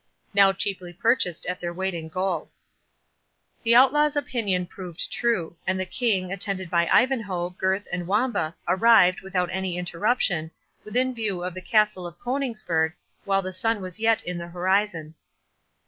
"Now cheaply purchased at their weight in gold." The Outlaw's opinion proved true; and the King, attended by Ivanhoe, Gurth, and Wamba, arrived, without any interruption, within view of the Castle of Coningsburgh, while the sun was yet in the horizon.